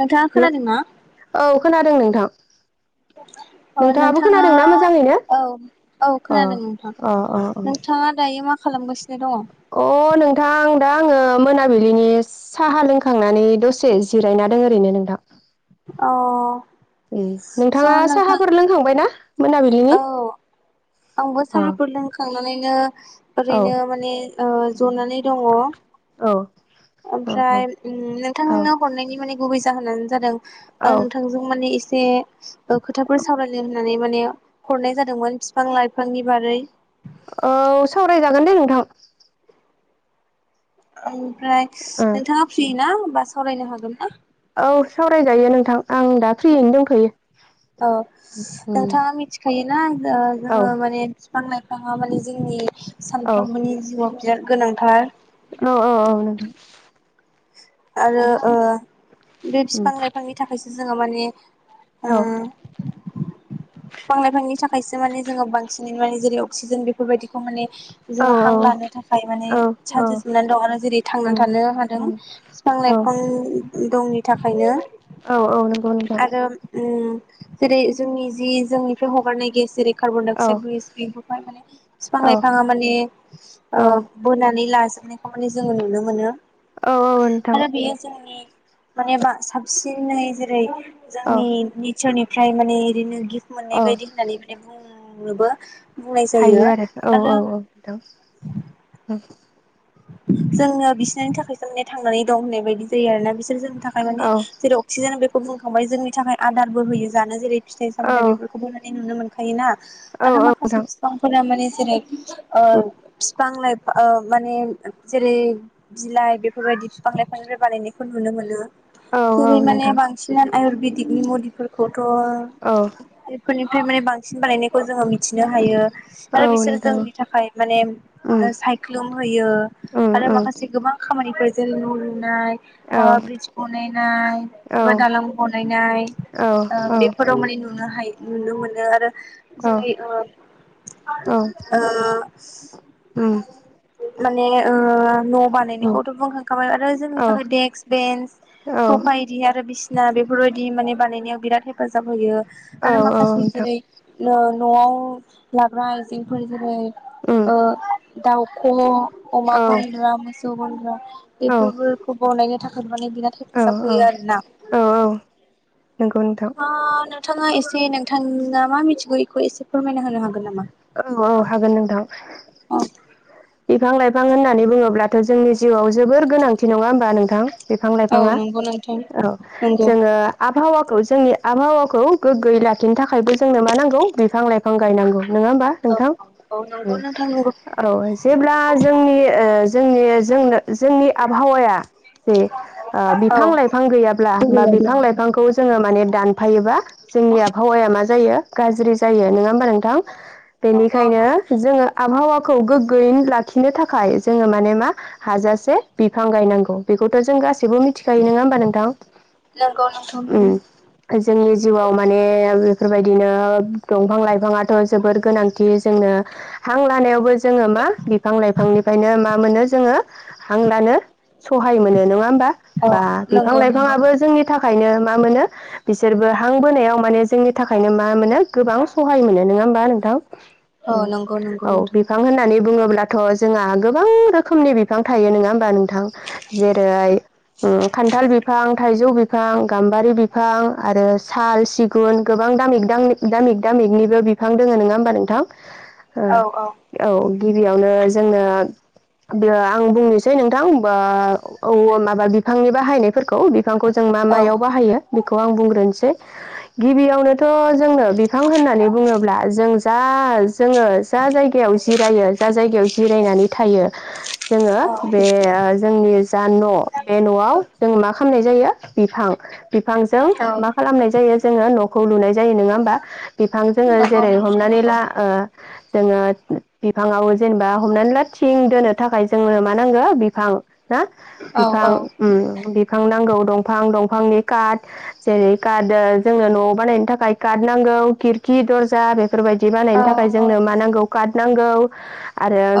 नोंथाङा हेल' खोनादोंना औ खोनादों नोंथां। अ नोंथाङाबो नोंथाङा खोनादोंना मोजाङैनो औ औ अ खोनादों नोंथां अ अ अ नोंथाङा दायो मा खालामगासिनो दङ'? अ नोंथां दा आङो मोनाबिलिनि साहा लोंखांनानै दसे जिरायना दङो ओरैनो नोंथां। अ उम नोंथाङा स' नोंथां साहाफोर लोंखांबाय ना? औ आंबो अ साहाफोर लोंखां नानेनो औ ओरैनो माने औ जनानै दङ' औ। औ औ ओमफ्राय उम औ नोंथांनो हरनायनि माने गुबै जा जाहोनानो जादों। आं औ नोंथांजों माने एस एसे खोथाफोर सावरायनो होननानै माने हरनाय जादोंमोन बिफां लाइफांनि बारै औ सावरायजागोन दे नोंथां। औ फ्राय ओ नोंथाङा फ्रि ना बा सावरायनो हागोन ना औ सावरायजायो नोंथां आं दा फ्रियैनो दंथ'यो औ उम नोंथाङा मिथिखायोना ओ औ जोङो माने बिफां लाइफाङा माने जोंनि औ सानफ्रोमबोनि जिउआव बिराद गोनांथार औ औ औ नों आरो ओ बे उम बिफां लाइफांनि थाखायसो जोङो माने ओ औ बिफां लाइफांनि थाखायसो माने जोङो बांसिनैनो माने जेरै अक्सिजेन बेफोरबायदिखौ माने औ जोङो औ हां लानो थाखाय माने औ औ चान्सेस मोननानै दं आरो जेरै उम थांनानै थानो हादों उम बिफां औ लाइफां दंनि थाखायनो औ औ नंगौ नोंथां आरो उम जेरै जोंनि जि जोंनिफ्राय हगारनाय गेस जेरै कार्बन डाइ औ अक्साइद गेस बेफोरखौहाय माने बिफां औ लाइफाङा माने ओ औ बोनानै ला नाजोबनायखौ मानानि जोङो नुनो मोनो औ औ नोंथां आरो बे जोंनि मानेबा साबसिनै जेरै औ जोंनि इसोरनिफ्राय माने ओरैनो गिफ्ट मोननाय औ बदि होननानै माने बुङो ओ नुबो हायो आरो औ औ औ औ जोंङो बिसोरनि थाखायसो माने थांनानै दं होननाय बायदि जायो आरोना बिसोर जोंनि थाखाय माने औ जेरै अक्सिजेन बे खौ बुंखांबाय जोंनि थाखाय आदारबो होयो जानो जेरै फिथाइ औ सामथायफोरखौ बोनानै नुनो मोनो खायोना औ आरो माखासे नोंथां फिफांफोरा माने जेरै ओ बिफां लाइफ ओ माने जेरै बिलाइ बेफोरबायदि बिफां लायफांनिफ्राय बानायनायखौ नुनो मोनो। औ जेरै औ माने नोंथां बांसिन आयुरबिदिक बि मुलिफोरखौ औ थ' बेफोरनिफ्राय माने बांसिन बानायनायखौ जोङो मिथिनो हायो आरो औ बिसोर नोंथां जोंनि थाखाय माने उम सायख्लुम होयो। उम आरो उम माखासे गोबां खामानि [unintelligible] नाय औ माबा ब्रिज बनायनाय एबा दालां बनायनाय औ ओ बेफोराव माने नुनो हायो। नुनो मोनो आरो। औ जेरै ओ औ उम ओ [unintelligible] माने ओ न' उम बानायनायखौथ' बुंखांखाबाय आरो जोंनि औ थाखाय देकस, बेन्स, औ स'फा इदि आरो बिस ना बेफोरबायदि माने बानायनायाव बिराद हेफाजाब होयो। औ आरो औ माखासे नोंथां जेरै नो न'आव लाग्रा आइजेंफोर जेरै उम ओ दाउख'ल' अमा औ गनद्रा, मोसो सौ गनद्रा बेफोरबोखौ बनायनो थाखाय माने बिना औ हेफाजाब होयो आरोना। औ औ नंगौ नोंथां आ नोंथाङा एसे नों नोंथाङा मा मिथिगौ बेखौ एसे फोरमायना होनो हागोन नामा? औ औ हागोन नोंथां। बिफां लाइफां होननानै बुङोब्लाथ' जिउआव जोबोर गोनांथि नङा होमबा नोंथां बिफां औ लाइफाङा? नंगौ नोंथां औ, नंगौ जोङो आबहावा खौ जोंनि आबहावाखौ गोग्गोयै लाखिनो थाखायबो जोंनो मा नांगौ बिफां लाइफां गायनांगौ। नङा होमबा औ नोंथां? औ नंगौ ओं नोंथां नंगौ ओ जेब्ला जोंनि ओ जोंनि जोंनो जोंनि आबहावाया जे ओ औ बिफां लाइफां गैयाब्ला नंगौ बा बिफां नंगौ लाइफांखौ जोङो माने दान फायोबा जोंनि आबहावाया मा जायो गाज्रि जायो नोङा होमबा नोंथां? बेनिखायनो जोङो आबहावा खौ गोग गोयैनो लाखिनो थाखाय जोङो माने मा हाजासे बिफां गायनांगौ बेखौथ' जों गा सैबो मिथिखायो नङा होमबा नोंथां? नंगौ नोंथां ओम जोंनि जिउआव माने ओम बेफोरबायदिनो दंफां लाइफांङाथ' जोबोर गोनांथि जोंनो हां लानायावबो जोंङो मा बिफां लाइफांनिफ्रायनो मा मोनो जोंङो हांलानो सहाय मोनो नंङा होमबा औ बा बिफां- नंगौ नंगौ लाइफांङाबो जोंनि थाखायनो मा- मोनो बिसोरबो हां बोनायाव माने जोंनि थाखायनो मा- मोनो गोबां सहाय मोनो नोंङा होमबा नोंथां? औ नंगौ -नंगौ। औ बिफां होननानै बुंङोब्लाथ' जोंहा गोबां रोखोमनि बिफां थायो नोंङा होमबा नोंथां जेरै उम खान्थाल बिफां, थाइजौ बिफां, गाम्बारि बिफां आरो साल सिगुन गोबां दामिक दामि दामिक दामिकनिबो बिफां दोंङो नोंङा होमबा नोंथां? औ -औ। औ गिबियावनो जोंनो आं बुंनोसै नोंथां बा औ औ माबा बिफांनि बाहायनाय फोरखौ बिफांखौ जों मा मायाव बाहायो -खौ आं बुंग्रोनोसै गिबियावनोथ' जोंनो बि बिफां होननानै बुंङोब्ला जों जास [inaudible] जोंङो जा जायग याव जिरायो जा जायगायाव जिरायनानै थायो जोंङो औ बे ओ जोंनि जा न' बे न'आव जों मा खालामनाय जायो बिफां -बिफांजों मा खालामनाय जायो जोंङो न -खौ लुनाय जायो नोंङा होमबा? बिफां जोंङो नंगौ जेरै नोंथां हमनानै नंगौ ला ओ जोंङो बिफांङाव जेनेबा हमनानै ला थिं दोननो थाखाय जोंनो मा नांगो बिफां ना औ बिफां औ उम बिफां नांगौ दंफां- दंफां बिफांनि कार्ड जेरै कार्ड जोंनो न'आव बानायनो थाखाय कार्ड नांगौ खिरखि दर्जा बे बेफोरबायदि बानायनो थाखाय औ जोंनो मा नांगौ नांगौ आरो औ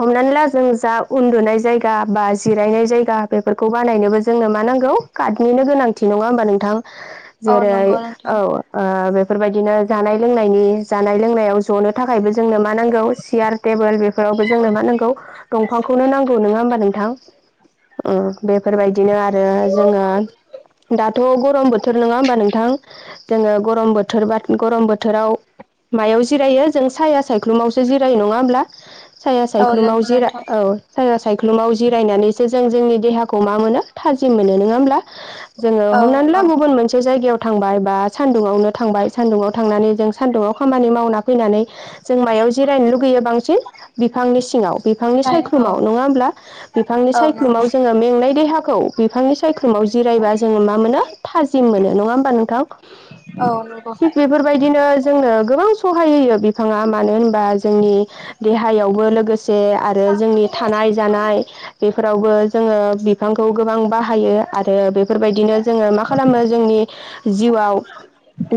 हमनानै ला जों जा उन्दुनाय जायगा बा जिरायनाय जायगा बेफोरखौ बानायनोबो जोंनो मा नांगौ कार्डनिनो गोनांथि नंङा होमबा नोंथां औ जेरै नंगौ औ नोंथां ओ बे बेफोरबायदिनो जानाय लोंनायनि जानाय लोंनायाव ज'नो थाखायबो नांगौ सियार टेबल बेफोरावबो जोंनो मा नांगौ दंफां खौनो नांगौ नोंङा होनबा नोंथां? उम बेफोर बायदिनो आरो जोंङो दाथ' गरम बोथोर नोंङा होनबा नोंथां? जोंङो गरम बोथोरबा गरम बोथोराव मायाव जिरायो जोंङो सायहा सायख्लुमावसो जिरायो नंङा होमब्ला? साया औ सायख्लुमाव नंगौ जिरा नोंथां औ साया सायख्लुमाव जिरायनानैसो जों जों जोंनि देहाखौ मा मोनो थाजिम मोनो नोंङा होमब्ला? जोंङो औ हमनानै औ ला गुबुन मोनसे जायगायाव थांबाय बा सान्दुङआवनो थांबाय सान्दुङाव थांनानै जों सान्दुङआव खामानि मावना फैनानै जों मायाव जिरायनो लुगैयो बांसिन बिफांनि सिङाव बिफांनि हाय औ सायख्लुमाव नङा होमब्ला बिफांनि औ नंगौ सायख्लुमाव जोङो मेंनाय देहाखौ बिफाङाय सायख्लू -माव जिरायबा जोङो मा मोनो थाजिम मोनो नङा होन ओ नोंथां औ नंगौ थिग बेफोरबायदिनो जोंनो गोबां सहाय होयो बे बिथाङा मानो होनबा जोंनि देहायावबो लोगोसे से आरो जोंनि थानाय जानाय बेफोरावबो जोङो बि बिफांखौ गोबां बाहायो आरो बेफोरबायदिनो जोङो मा खालामो जोंनि जिउआव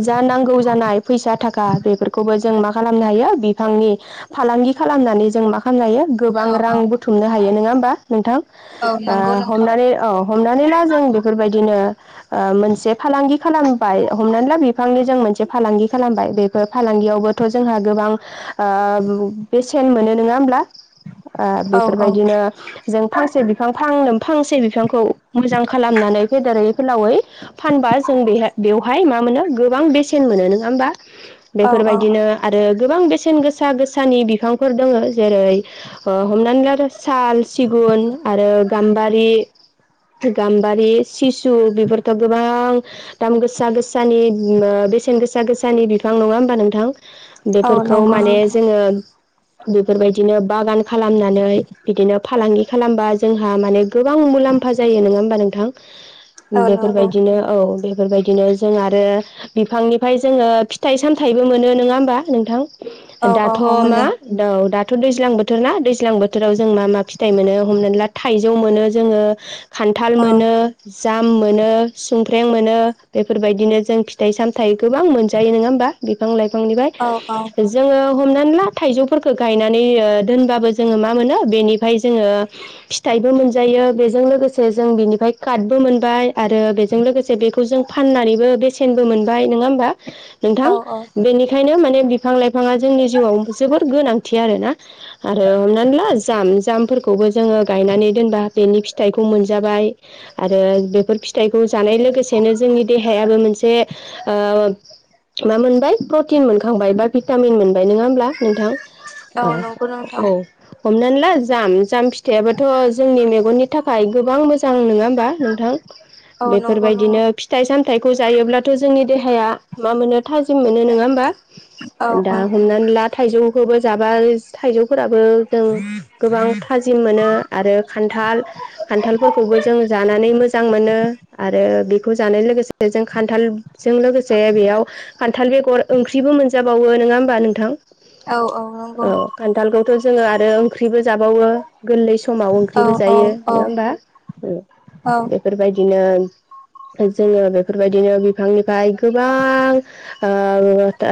जा नांगौ जानाय फैसा थाखा बेफोरखौबो जों माखा खालामनो हायो बिफांनि फालांगि खालामनानै जों मा खालामनो हायो औ गोबां रां औ बुथुमनो हायो नङा होमबा नोंथां औ नंगौ नोंथां हमनानै औ हमनानै ला जों बेफोरबायदिनो मोनसे फालांगि खालामबाय हमनानै ला बिफांनि जों मोनसे फालांगि खालामबाय बेफोर फालांगियावबो थ' जोंहा गोबां ओ बेसेन मोनो नङा होमब्ला। औ औ बेफोरबायदिनो जों फांसे बिफां फां फांसे बिफां खौ मोजां खालामनानै फेदेरै फोलावै फानबा जों बे बेवहाय मा मोनो गोबां बेसेन मोनो नङा होमबा औ बेफोरबाय औ बिदिनो आरो गोबां बे सेन गोसा गोसानि बिफांफोर दङ जेरै हमनानै ला साल सिगुन आरो गाम्बारि गाम्बारि सिसु बेफोरथ' गोबां दाम गोसा गोसानि बेसेन गोसा गोसानि बिफां नङा होमबा नोंथां औ बेफोरखौ नंगौ माने नोंथां जोङो बेफोरबायदिनो बागान खालामनानै बिदिनो फालांगि खालामबा जोंहा माने गोबां मुलाम्फा जायो नङा होमबा नोंथां औ नंगौ बेफोरबायदिनो औ बेफोरबायदिनो जों आरो बिफांनिफ्राय जोङो फिथाइ सामथाइबो मोनो नोङा होमबा औ नोंथां औ दाथ' औ मा मोनो औ दाथ' दै दैज्लां बोथोर ना दैज्लां बोथोराव जों मा मा फिथाइ मोनो हमनानै ला थाइजौ मोनो जोङो खान्थाल मोनो जाम मोनो सुमफ्रेम मोनो बेफोरबायदिनो जों फिथाइ सामथायाइ गोबां मोनजायो नङा होमबा बिफां लाइफां औ औ हमनानै ला थाइजौफोरखो गायनानै दोनबाबो जोङो मा मोनो बेनिफ्राय जोङो फिथाइबो मोनजायो बेजों लोगोसे जों बेनिफ्राय काटबो मोनबाय आरो बेजों लोगोसे बेखौ जों फाननानैबो बेसेनबो मोनबाय नङा होमबा औ नोंथां औ बेनि बिनो माने बिफां लाइफाङा जोंनि जिउआव जोबोर गोनांथि आरोना आरो हमनानै ला जाम जामफोरखौबो जोङो गायनानै दोनबा बेनि फिथाइखौ मोनजाबाय आरो बेफोर फिथाइखौ जानाय लोगोसेनो जोंनि देहायाबो मोनसे मा मोनबाय प्रटिन मोनखांबाय बा भिटामिन मोनबाय नङा होमब्ला नोंथां औ ओ नंगौ नोंथां औ हमनानै दा जाम जाम फिथाइआबोथ' जोंनि मेगननि थाखाय गोबां मोजां नङा होमबा नोंथां औ नंगौ नंगौ बेफोरबायदिनो फिथाइ सामथाइ खौ जायोब्लाथ' जोंनि देहाया मा मोनो थाजिम मोनो नङा होमबा औ औ दा हमनानै ला थाइजौ खौबो जाबा थाइजौफोराबो जों गोबां थाजिम मोनो आरो खान्थाल खान्थालफोरखौबो जों जानानै मोजां मोनो आरो बेखौ जानाय लोगोसे जों खान्थालजों लोगोसे बेयाव खान्थाल बेगर ओंख्रिबो मोनजाबावो नङा होमबा नोंथां। औ नंगौ औ खान्थाल खौथ' जोङो आरो ओंख्रिबो जाबावो गोरलैस समाव औ ओंख्रिबो औ जायो औ नङा होमबा औ बेफोरबायदिनो जोङो बेफोरबायदिनो बिफांनिफ्राय गोबां ओ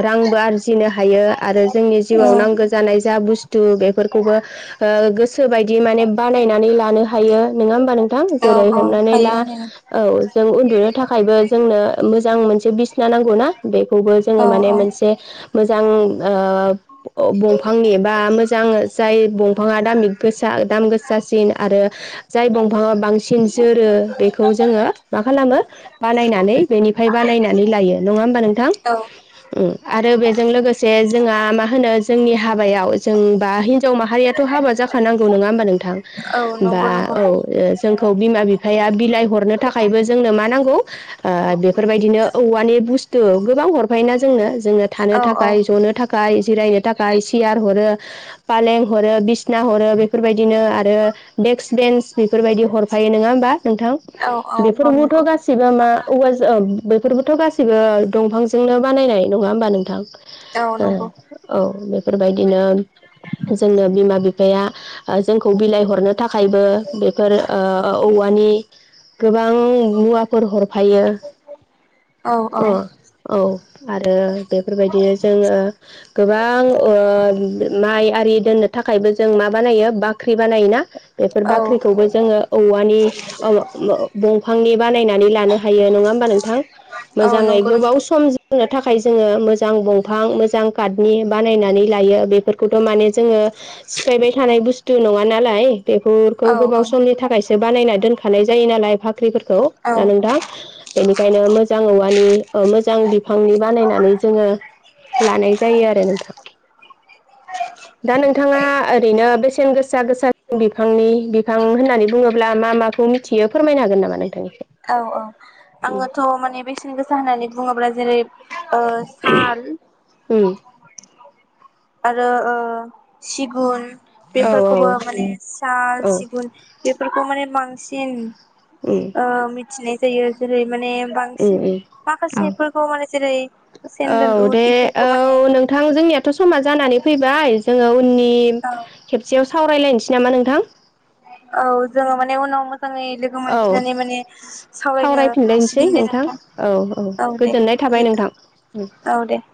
रांबो आरजिनो हायो आरो जोंनि जिउआव औ नांगौ जानाय जा बुस्थु बेफोरखौबो ओ गोसोबायदि माने बानायनानै लानो हायो नङा होमबा नों थां औ जेरै औ हमनानै ला हायो होनो औ जों उन्दुनो थाखायबो जोंनो मोजां मोनसे बिसिना नांगौना बेखौबो औ जोङो माने औ मोनसे मोजां ओ बंफांनि बा मोजां जाय बंफाङा दामि गोसा दाम गोसासिन आरो जाय दंफाङा बांसिन जोरो बेखौ जोङो मा खालामो बानायनानै बेनिफ्राय बानायनानै लायो नङा होमबा नोंथां। औ। आरो बेजों लोगोसे जोंहा मा होनो जोंनि हाबायाव जोंबा हिनजाव माहारियाथ' हाबा जाखानांगौ नङा होमबा नोंथां। औ बा नंगौ नंगौ औ ओ जों। खौ बिमा बिफाया बिलाइ हरनो थाखायबो जोंनो मा नांगौ ओ बेफोरबायदिनो औवानि बुस्थु गोबां हरफायो ना जोंनो जोङो थानो औ थाखाय ज'नो थाखाय जिरायनो थाखाय सियार हरो फालें हरो बिसना हरो बेफोरबायदिनो आरो देक्स बेन्स बेफोरबायदि हरफायो नङा होमबा। नोंथां औ औ नंगौ बेफोरबोथ' गासिबो मा औवा जों बेफोरबोथ' गासिबो दंफांजोंनो बानायनाय नङा होमबा नोंथां औ ह नंगौ औ बे बेफोरबायदिनो जोंनो बिमा बिफाया जोंखौ बिलाइ हरनो थाखायबो बेफोर ओ औवानि गोबां मुवाफोर हरफायो औ औ अ औ आरो बेफोरबायदिनो जोङो गोबां ओ माइ आरि दोननो थाखायबो जों मा बानायो बाख्रि बानायोना बेफोर औ बाख्रिखौबो जोङो औवानि वौ वौ दंफांनि बानायनानै लानो हायो नङा होमबा नोंथां औ मोजांयै नंगौ गोबाव नोंथां सम जोंनो थाखाय थाखाय जोङो मोजां दंफां मोजां काटनि बानायनानै लायो बेफोरखौथ' माने जोङो सिफायबाय थानाय बुस्थु नङा नालाय। बेफोरखौ औ औ गोबाव समनि थाखायसो। बानायना दोनखानाय जायो नालाय भाग ख्रिफोरखौ औ ना नोंथां बेनिखायनो मोजां औवानि औ मोजां बिफांनि बानायनानै जोङो लानाय जायो आरो नोंथां दा नोंथाङा ओरैनो बेसेन गोसा गोसा बिफांनि बिफां होननानै बुङोब्ला मा माखौ मिथियो फोरमायनो हागोन नामा नोंथां औ औ आङोथ माने बेसेन गोसा होनानै बुङोब्ला जेरै ओ साल उम आरो ओ सिगुन औ औ बेफोरखौबो माने साल औ सिगुन बेफोरखौ माने बांसिन उम ओ मि मिथिनाय जायो जेरै माने बांसिन उम उम माखासेफोरखौ माने जेरै औ दे सेन्देलउद औ इफोरखौ माने नोंथां जोंनियाथ' समा जानानै फैबाय जोङो उननि औ खेबसेयाव सावरायलायनोसै नामा नोंथां औ जोङो माने उनाव मोजाङै लोगो औ मोनफिननानै माने सावरायनो सावरायफिनलायनोसै हासिगोन दे नोंथां औ औ दे गोजोननाय थाबाय नोंथां उम गोजोनथों औ दे [inaudible]